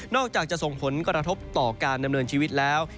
อกจากจะส่งผลกระทบต่อการดำเนินชีวิตแล้ว